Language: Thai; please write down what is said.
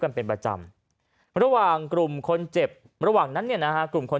กันเป็นประจำระหว่างกลุ่มคนเจ็บระหว่างนั้นเนี่ยนะฮะกลุ่มคน